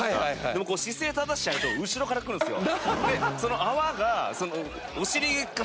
でもこう姿勢正しちゃうと後ろから来るんですよ。